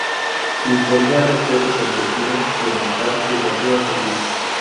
Imponía respeto con su estilo de marcar, que se hacía sentir.